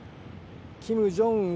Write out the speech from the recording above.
キム・ジョンウン